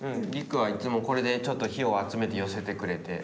稜空はいつもこれでちょっと火を集めて寄せてくれて。